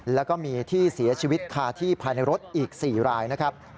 แล้วก็มีที่เสียชีวิตคาที่ภายในรถอีก๔รายนะครับ